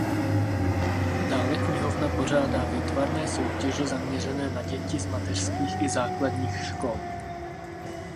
Dále knihovna pořádá výtvarné soutěže zaměřené na děti z mateřských i základních škol.